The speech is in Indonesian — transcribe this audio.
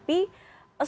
apa yang terjadi